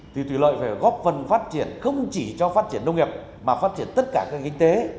thì thủy lợi phải góp phần phát triển không chỉ cho phát triển nông nghiệp mà phát triển tất cả các kinh tế